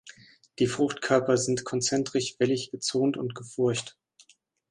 Die Fruchtkörper sind konzentrisch wellig gezont und gefurcht.